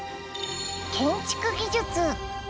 建築技術